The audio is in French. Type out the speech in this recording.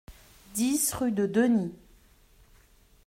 dix rue de Denny